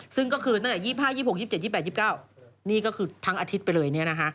ซึ่งก็คือตั้งแต่๒๕๒๖๒๗๒๘๒๙นี่ก็คือทั้งอาทิตย์ไปเลย